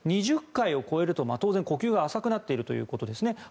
２０回を超えると当然、呼吸が浅くなっているということですね。